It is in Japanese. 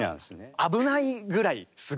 危ないぐらいすごい！みたいな。